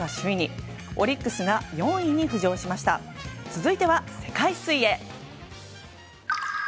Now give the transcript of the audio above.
続いては世界水泳。